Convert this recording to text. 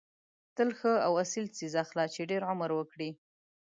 تل ښه او اصیل څیز اخله چې ډېر عمر وکړي.